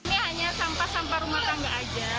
ini hanya sampah sampah rumah tangga saja